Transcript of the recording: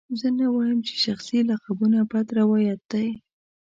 زه نه وایم چې شخصي لقبونه بد روایت دی.